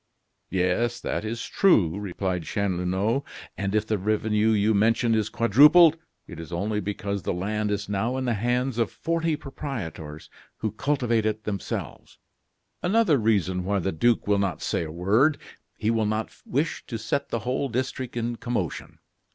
"Yes, that is true," replied Chanlouineau; "and if the revenue you mention is quadrupled, it is only because the land is now in the hands of forty proprietors who cultivate it themselves." "Another reason why the duke will not say a word; he will not wish to set the whole district in commotion.